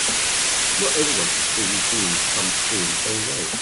Not everyone can see his dreams come true in the same way.